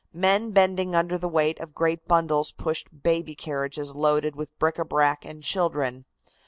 Men bending under the weight of great bundles pushed baby carriages loaded with bric a brac and children.